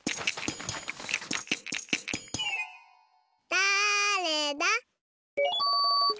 だれだ？